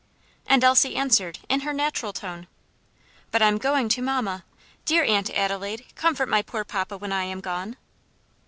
And Elsie answered, in her natural tone, "But I'm going to mamma. Dear Aunt Adelaide, comfort my poor papa when I am gone."